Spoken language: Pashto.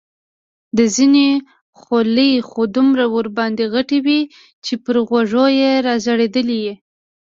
د ځینو خولۍ خو دومره ورباندې غټې وې چې پر غوږو یې را ځړېدلې.